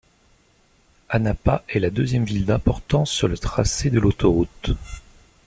Anapa est la deuxième ville d'importance sur le tracé de l'autoroute.